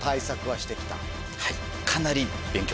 はい。